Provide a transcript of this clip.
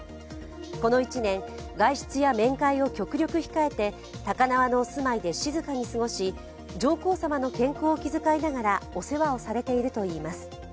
この１年、外出や面会を極力控えて高輪のお住まいで静かに過ごし上皇さまの健康を気遣いながらお世話をされているといいます。